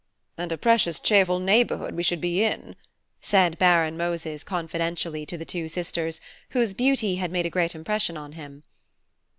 "And a precious cheerful neighbourhood we should be in," said Baron Moses, confidentially, to the two sisters, whose beauty had made a great impression on him.